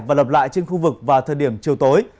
và lập lại trên khu vực vào thời điểm chiều tối